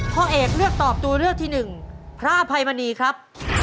พ่อเอกเลือกตอบตัวเลือกที่หนึ่งพระอภัยมณีครับ